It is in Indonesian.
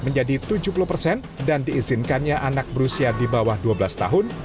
menjadi tujuh puluh persen dan diizinkannya anak berusia di bawah dua belas tahun